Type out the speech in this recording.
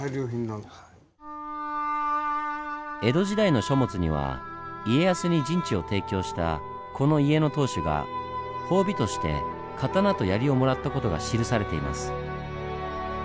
江戸時代の書物には家康に陣地を提供したこの家の当主が褒美として刀と槍をもらった事が記されています。